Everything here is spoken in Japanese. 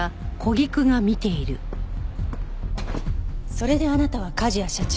それであなたは梶谷社長に。